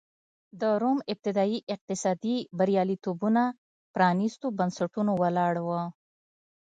د روم ابتدايي اقتصادي بریالیتوبونه پرانېستو بنسټونو ولاړ و.